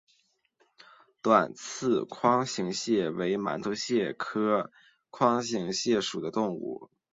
短刺筐形蟹为馒头蟹科筐形蟹属的动物。